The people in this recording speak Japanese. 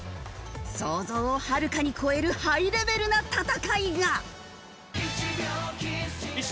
想像をはるかに超えるハイレベルな戦いが！